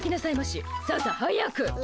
ささ早く。